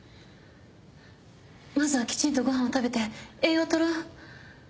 まずはきちんとご飯を食べて栄養取ろう？